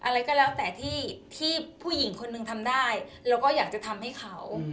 แล้วก็แล้วหลังแต่ผู้หญิงใครทำได้เราอยากทำให้เขา